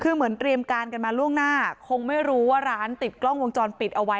คือเหมือนเตรียมการกันมาล่วงหน้าคงไม่รู้ว่าร้านติดกล้องวงจรปิดเอาไว้